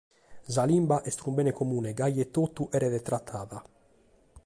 Sa limba est unu bene comune e gasi e totu cheret tratada.